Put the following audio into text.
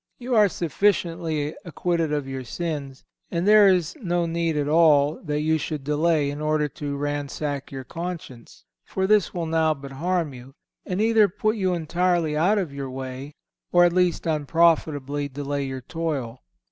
You are sufficiently acquitted of your sins, and there is no need at all that you should delay in order to ransack your conscience, for this will now but harm you, and either put you entirely out of your way, or at least unprofitably delay your toil.